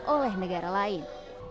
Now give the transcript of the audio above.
oleh negara lain